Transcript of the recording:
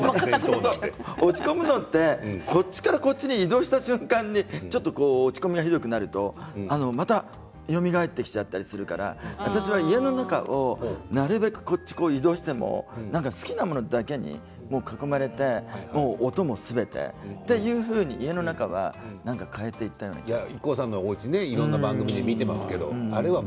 落ち込むのってこっちからこっちに移動した瞬間に落ち込みがひどくなるとまたよみがえってきちゃったりするから私は家の中をなるべく移動しても好きなものだけに囲まれて音もすべてというふうに家の中は変えていったような気がする。